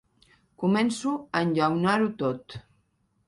Començo a enllaunar-ho tot.